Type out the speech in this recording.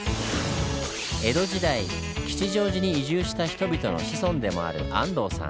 江戸時代吉祥寺に移住した人々の子孫でもある安藤さん。